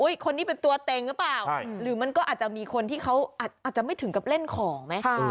คนนี้เป็นตัวเต็งหรือเปล่าหรือมันก็อาจจะมีคนที่เขาอาจจะไม่ถึงกับเล่นของไหม